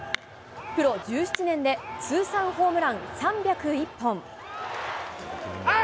プロ１７年で通算ホームラン３０１本。